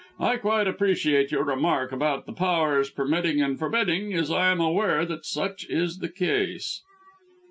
I quite appreciate your remark about the Powers permitting and forbidding, as I am aware that such is the case."